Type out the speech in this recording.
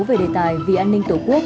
về đề tài vì an ninh tổ quốc